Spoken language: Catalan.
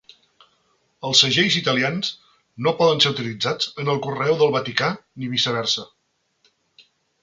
Els segells italians no poden ser utilitzats en el correu del Vaticà ni viceversa.